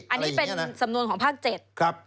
อันนี้เป็นสำนวนของภาค๗